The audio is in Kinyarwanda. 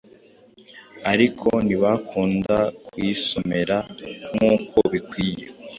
ariko ntibakunda kuyisomera nkuko bikwiye